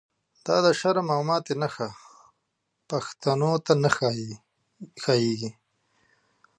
دا دشرم او ماتی نښی، پښتنوته نه ښاییږی